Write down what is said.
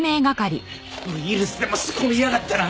ウイルスでも仕込みやがったな！